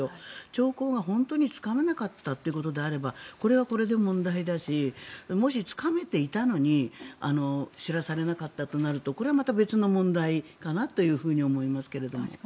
兆候が本当につかめなかったということであればこれはこれで問題だしもしつかめていたのに知らされなかったとなるとこれはまた別の問題かなと思いますけれど。